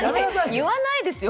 言わないですよ。